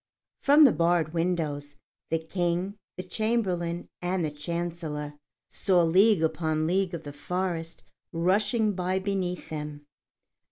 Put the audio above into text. From the barred windows, the King, the Chamberlain, and the Chancellor saw league upon league of the forest rushing by beneath them.